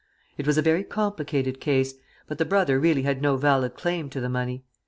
It was a very complicated case, but the brother really had no valid claim to the money.